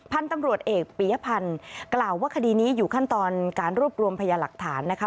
พันธุ์ตำรวจเอกปียพันธ์กล่าวว่าคดีนี้อยู่ขั้นตอนการรวบรวมพยาหลักฐานนะคะ